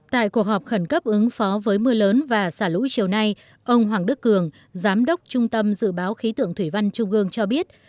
tại cuộc họp khẩn cấp ứng phó với mưa lớn và xả lũ chiều nay ông hoàng đức cường giám đốc trung tâm dự báo khí tượng thủy văn trung ương cho biết